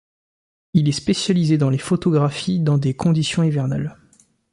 Il est spécialisé dans les photographies dans des conditions hivernales.